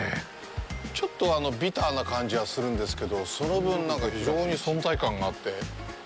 ちょっとビターな感じはするんですけど、その分、なんか非常に存在感があって。